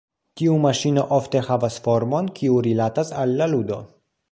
Tiu maŝino ofte havas formon kiu rilatas al la ludo.